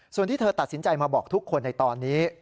ส่วนที่เธอตัดสินใจมาบอกทุกคนในตอนนี้